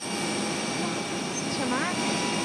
与前夫育有一女齐藤依纱。